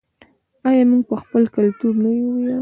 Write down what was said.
آیا موږ په خپل کلتور نه ویاړو؟